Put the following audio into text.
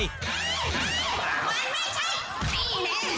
มันไม่ใช่พี่นี่